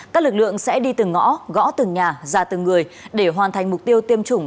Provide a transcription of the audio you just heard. ra từng người để hoàn thành mục tiêu tiêm chủng